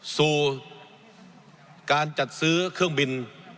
สู่การจัดซื้อเครื่องบิน